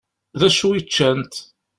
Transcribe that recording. Dacu i ččant?